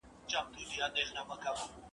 او ښکنځل نه اورېدلي او نه مي !.